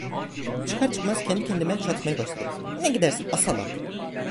Çıkar çıkmaz kendi kendime çatmaya başladım: "Ne gidersin a salak!"